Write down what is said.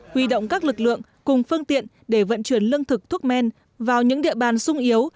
huy động các lực lượng cùng phương tiện để vận chuyển lương thực thuốc men vào những địa bàn sung yếu